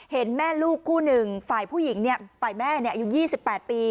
เห็นแม่ลูกคู่หนึ่งฝ่ายผู้หญิงเนี่ยฝ่ายแม่เนี่ยอายุยี่สิบแปดปี